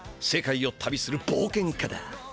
世界を旅する冒険家だ。